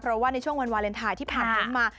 เพราะว่าในช่วงวันวาเลนไทยที่ผ่านพ้นมา